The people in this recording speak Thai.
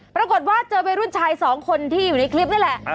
ปรากฏว่าเจอวัยรุ่นชายสองคนที่อยู่ในคลิปนี่แหละ